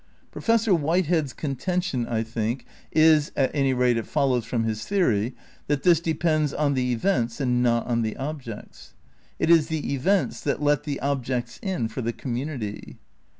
Professor Whitehead's contention, I think, is (at any rate it follows from his theory) that this depends on the events and not on the objects. It is the events that let the objects in for the commtmity.